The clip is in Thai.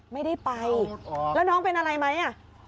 ไม่ได้ไปแล้วน้องเป็นอะไรไหมอ่ะ